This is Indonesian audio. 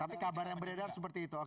tapi kabar yang beredar seperti itu